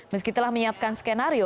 meskipun telah menyiapkan skenario